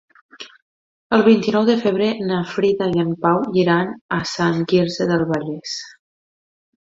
El vint-i-nou de febrer na Frida i en Pau iran a Sant Quirze del Vallès.